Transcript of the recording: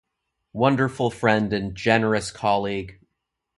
Wonderful friend and generous colleague.